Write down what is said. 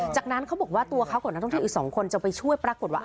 จากนั้นเขาบอกว่าตัวเขากับนักท่องเที่ยวอีก๒คนจะไปช่วยปรากฏว่า